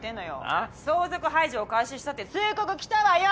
あぁ？相続廃除を開始したって通告来たわよ。